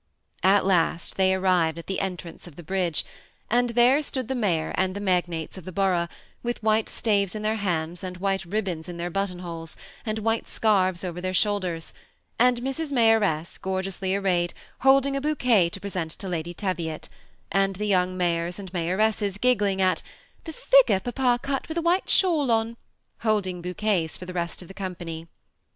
At last they arrived at the entrance of the bridge, and there stood the mayor and the magnates of the borough, with white staves in their hands and white ribbons in their button holes, and white scarves over their shoulders; and Mrs. Mayoress, gorgeously ar rayed, holding a bouquet to present to Lady Teviot ; 192 THE SEMI ATTACHED COUPLE. and the yonng mayors and mayoresses giggling at the figure papa cut with a white shawl on," holding bouquets for the rest of the company.